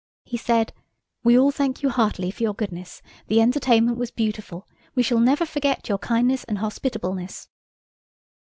He said– "We all thank you heartily for your goodness. The entertainment was beautiful. We shall never forget your kindness and hospitableness."